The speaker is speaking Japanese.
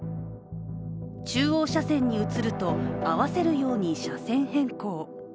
中央車線に移ると、合わせるように車線変更。